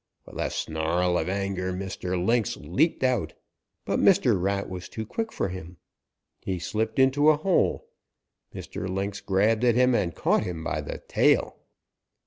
With a snarl of anger Mr. Lynx leaped out. But Mr. Rat was too quick for him. He slipped into a hole. Mr. Lynx grabbed at him and caught him by the tail.